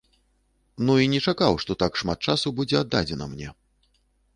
Ну, і не чакаў, што так шмат часу будзе аддадзена мне.